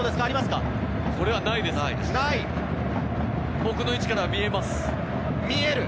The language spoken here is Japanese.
僕の位置からは見えます。